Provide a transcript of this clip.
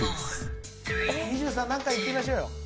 ２３何か言ってみましょうよ